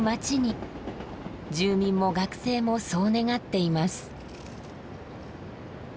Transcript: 住民も学生もそう願っています。